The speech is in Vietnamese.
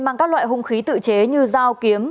mang các loại hung khí tự chế như dao kiếm